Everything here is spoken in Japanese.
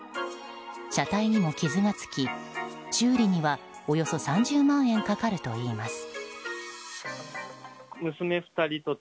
車体にも傷がつき、修理にはおよそ３０万円かかるといいます。